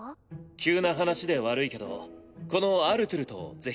急な話で悪いけどこのアルトゥルとぜひ。